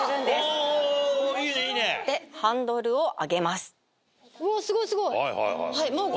すごいすごい。